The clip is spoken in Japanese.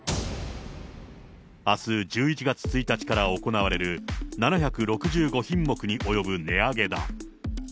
あす１１月１日から行われる、７６５品目に及ぶ値上げだ。